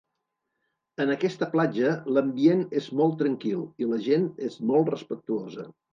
En aquesta platja, l'ambient és molt tranquil i la gent és molt respectuosa.